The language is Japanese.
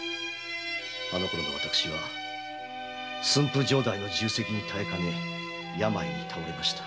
あのころの私は駿府城代の重責に耐えかね病に倒れました。